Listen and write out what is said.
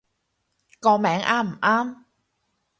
個名啱唔啱